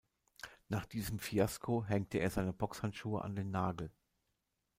Nach diesem Fiasko hängte er seine Boxhandschuhe an den Nagel.